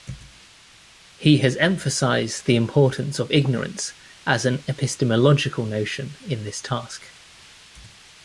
He has emphasised the importance of ignorance as an epistemological notion in this task.